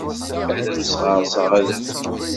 Ad am-sɣerseɣ rrebg.